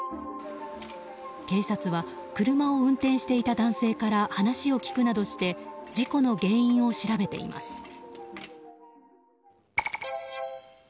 警察は車を運転していた男性から話を聞くなどして事故の原因を調べています。